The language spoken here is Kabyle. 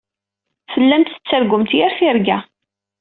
Tellamt tettargumt yir tirga.